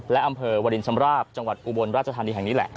และอำเภอหวดินสำราบจังหวัดอุบลราชฐานภินิษฐ์แห่งนี่แหละ